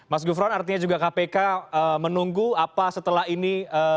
mas gufron artinya juga kpk menunggu apa setelah ini